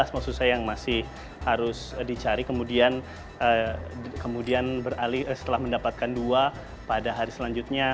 maksud saya yang masih harus dicari kemudian beralih setelah mendapatkan dua pada hari selanjutnya